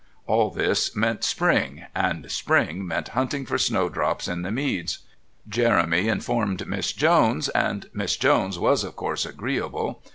All this meant spring, and spring meant hunting for snowdrops in the Meads. Jeremy informed Miss Jones, and Miss Jones was, of course, agreeable.